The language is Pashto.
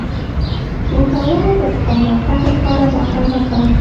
اروپایانو د خپل راتګ لپاره دا پلمه کوله.